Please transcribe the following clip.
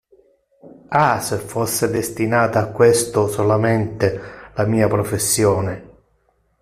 Ah, se fosse destinata a questo solamente la mia professione!